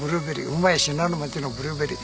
うまい信濃町のブルーベリー！